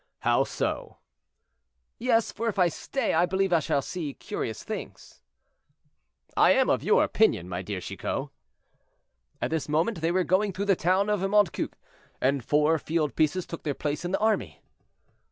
"How so?" "Yes; for if I stay, I believe I shall see curious things." "I am of your opinion, my dear Chicot." At this moment they were going through the town of Montcuq, and four field pieces took their place in the army.